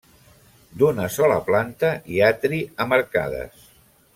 D'una sola planta i atri amb arcades.